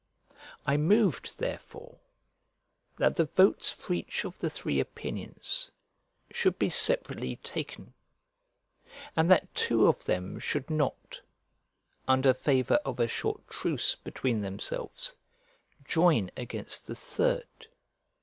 I moved, therefore, that the votes for each of the three opinions should be separately taken, and that two of them should not, under favour of a short truce between themselves, join against the third.